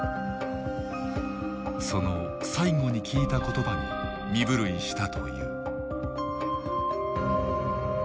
その最後に聞いた言葉に身震いしたという。